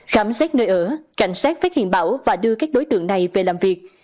khám xét nơi ở cảnh sát phát hiện bảo và đưa các đối tượng này về làm việc